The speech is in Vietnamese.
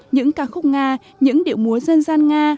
những ca khúc nga những điệu múa dân gian nga